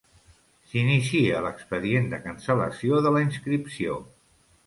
S'inicia l'expedient de cancel·lació de la inscripció.